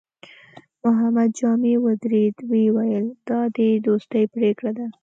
محمد جامي ودرېد، ويې ويل: دا دې وروستۍ پرېکړه ده؟